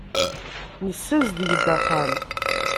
Nessazdeg-d axxam.